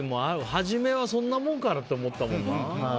始めはそんなもんかなと思ったもんな。